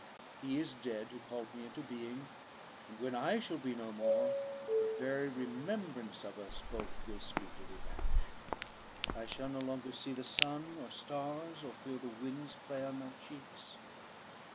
He is dead who called me into being; and when I shall be no more, the very remembrance of us both will speedily vanish. I shall no longer see the sun or stars, or feel the winds play on my cheeks.